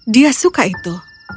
dia suka itu